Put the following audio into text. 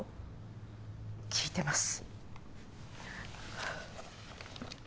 聞いてます。